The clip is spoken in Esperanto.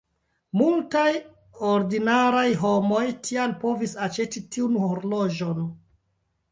Multaj 'ordinaraj homoj' tial povis aĉeti tiun horloĝon.